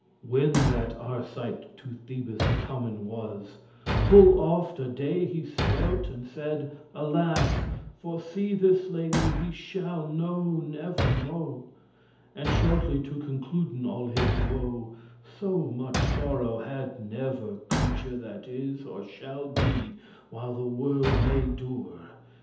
When that Arcite to Thebes comen was, Full oft a day he swelt*, and said, "Alas!" *fainted For see this lady he shall never mo'. And shortly to concluden all his woe, So much sorrow had never creature That is or shall be while the world may dure.